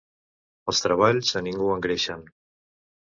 Els treballs a ningú engreixen.